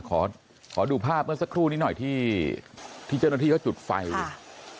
ขอขอดูภาพเมื่อสักครู่นี้หน่อยที่ที่เจ้าหน้าที่เขาจุดไฟค่ะ